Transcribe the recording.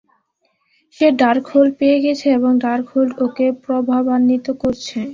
সে Darkhold পেয়ে গেছে এবং ডার্কহোল্ড ওকে প্রভাবান্বিত করছে।